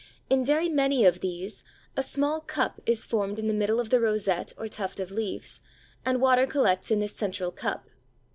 In very many of these a small cup is formed in the middle of the rosette or tuft of leaves, and water collects in this central cup.